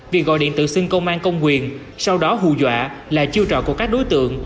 việc gọi điện tự xưng công an công quyền sau đó hù dọa là chiêu trò của các đối tượng